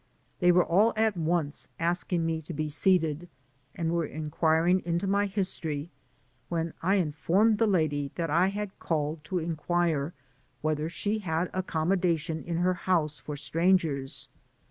They were all at once asking me to be seated, and were inquiring into my history, when I informed the lady, that I had called to inquire whether she had accommodation in her house for strangers.